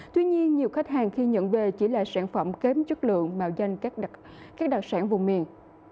tuy nhiên nhiều khách hàng khi nhận về chỉ là sản phẩm kém chất lượng mạo danh các đặc sản vùng miền